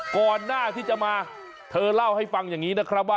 ก่อนหน้าที่จะมาเธอเล่าให้ฟังอย่างนี้นะครับว่า